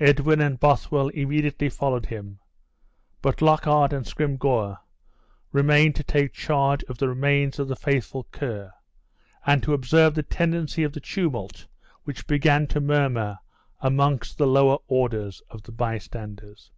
Edwin and Bothwell immediately followed him; but Lockhart and Scrymgeour remained to take charge of the remains of the faithful Ker, and to observe the tendency of the tumult which began to murmur amongst the lower orders of the bystanders.